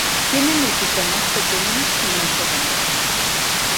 Tienen el pico más pequeño y más redondeado.